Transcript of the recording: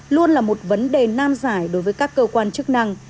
luôn là một vấn đề nam giải đối với các cơ quan chức năng